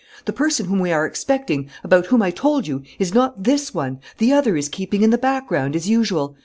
The person whom we are expecting, about whom I told you, is not this one. The other is keeping in the background, as usual.